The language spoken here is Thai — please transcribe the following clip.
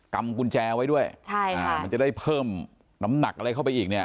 กุญแจไว้ด้วยใช่ค่ะมันจะได้เพิ่มน้ำหนักอะไรเข้าไปอีกเนี่ย